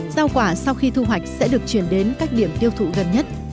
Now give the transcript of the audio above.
rau quả sau khi thu hoạch sẽ được chuyển đến các điểm tiêu thụ gần nhất